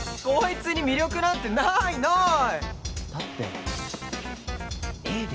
こいつに魅力なんてないない！